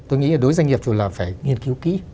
tôi nghĩ là đối với doanh nghiệp dù là phải nghiên cứu kỹ